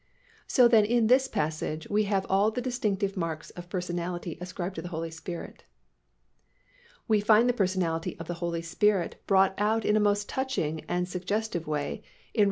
So then in this passage we have all the distinctive marks of personality ascribed to the Holy Spirit. We find the personality of the Holy Spirit brought out in a most touching and suggestive way in Rom.